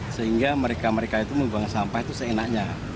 sehingga mereka mereka itu membuang sampah itu seenaknya